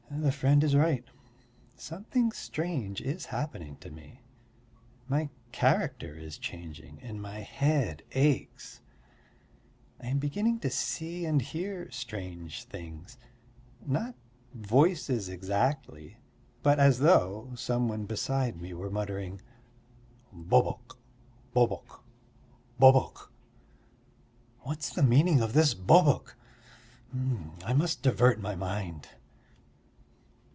The friend is right. Something strange is happening to me. My character is changing and my head aches. I am beginning to see and hear strange things, not voices exactly, but as though some one beside me were muttering, "bobok, bobok, bobok!" What's the meaning of this bobok? I must divert my mind.